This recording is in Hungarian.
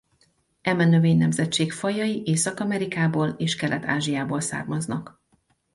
Eme növénynemzetség fajai Észak-Amerikából és Kelet-Ázsiából származnak.